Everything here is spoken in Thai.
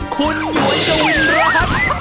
คุณโหยกระวินรัฐ